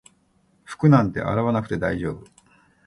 服なんて洗わなくて大丈夫